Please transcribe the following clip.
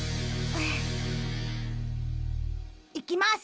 いきます。